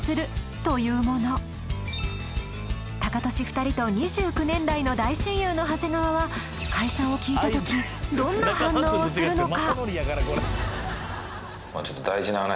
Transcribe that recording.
タカトシ２人と２９年来の大親友の長谷川は解散を聞いた時どんな反応をするのか？